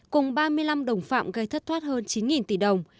cùng ba mươi năm đồng phạm gây thất thoát hơn chín tỷ đồng